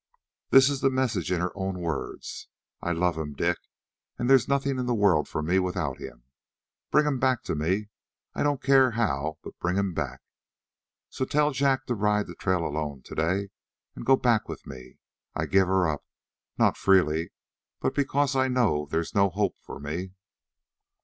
"This is the message in her own words: 'I love him, Dick, and there's nothing in the world for me without him. Bring him back to me. I don't care how; but bring him back.' So tell Jack to ride the trail alone today and go back with me. I give her up, not freely, but because I know there's no hope for me."